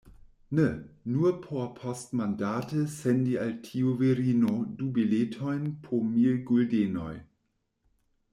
Ne; nur por poŝtmandate sendi al tiu virino du biletojn po mil guldenoj.